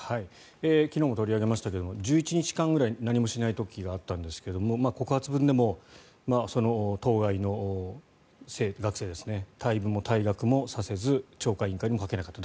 昨日も取り上げましたが１１日間ぐらい何もしない時があったんですが告発文でもその当該の学生退部も退学もさせず懲戒委員会にもかけなかった。